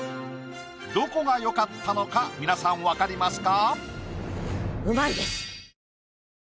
どこがよかったのか皆さんわかりますか？